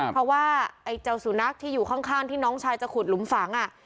เพราะว่าไอ้เจ้าสุนัขที่อยู่ข้างที่น้องชายจะขุดหลุมฝัง